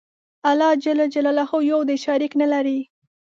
الله ج یو دی. شریک نلري.